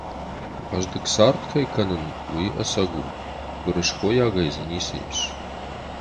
Хъӕздыг цард кӕй кӕнын, уый ӕцӕг у, гуырысхойагӕй дзы ницы ис.